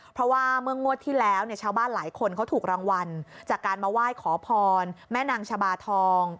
เพราะว่าเมื่องวดที่แล้วเนี่ยชาวบ้านหลายคนเขาถูกรางวัลจากการมาไหว้ขอพรแม่นางชะบาทอง